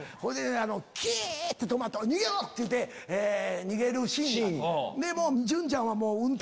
キ！って止まって逃げろ！って言うて逃げるシーン。